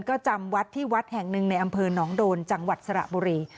ก็จำวัดที่วัดแห่งหนึ่งในอำเภอหนองโดนจังหวัดสระบุรี